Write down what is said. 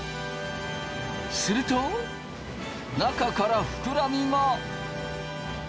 すると中から膨らみが。